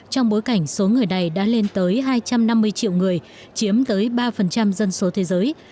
trong bối cảnh số người này đã lên tới hai trăm năm mươi triệu người chiếm tới ba dân số thế giới